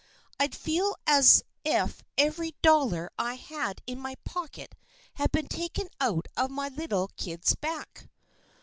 I'd feel as ef every dollar I had in my pocket had been taken out of my little kid's back."